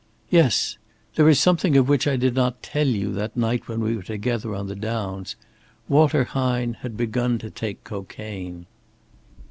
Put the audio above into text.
"Yes. There is something of which I did not tell you, that night when we were together on the downs. Walter Hine had begun to take cocaine."